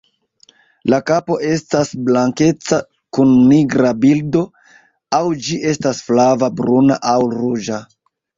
La kapo estas blankeca kun nigra bildo, aŭ ĝi estas flava, bruna aŭ ruĝa.